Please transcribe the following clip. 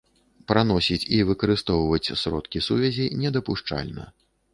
Праносіць і выкарыстоўваць сродкі сувязі недапушчальна.